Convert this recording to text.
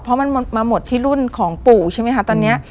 เพราะมันมาหมดที่รุ่นของปู่ใช่ไหมคะตอนนี้